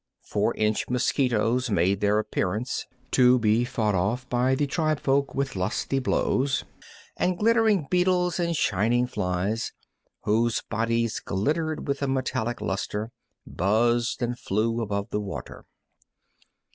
Four inch mosquitoes made their appearance, to be fought off by the tribefolk with lusty blows, and glittering beetles and shining flies, whose bodies glittered with a metallic luster, buzzed and flew above the water.